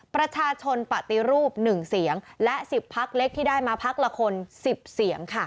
ปฏิรูป๑เสียงและ๑๐พักเล็กที่ได้มาพักละคน๑๐เสียงค่ะ